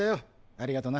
ありがとな。